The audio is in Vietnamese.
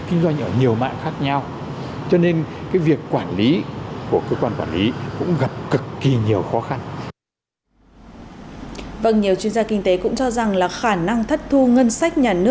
kinh doanh ở nhiều mạng khác nhau